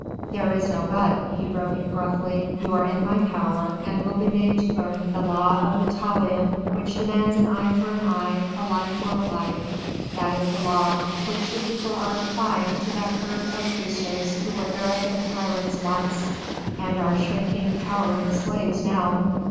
"There is no 'but,'" he broke in gruffly, "you are in my power and will be made to learn the law of the talion which demands an eye for an eye, a life for a life: that is the law which the people are applying to that herd of aristos who were arrogant tyrants once and are shrinking, cowering slaves now.